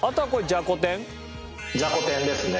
じゃこ天ですね。